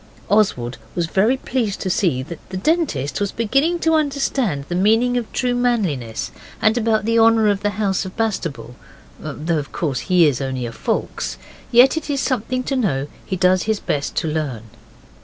Oswald was very pleased to see that the Dentist was beginning to understand the meaning of true manliness, and about the honour of the house of Bastable, though of course he is only a Foulkes. Yet it is something to know he does his best to learn.